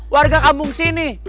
warga kampung sini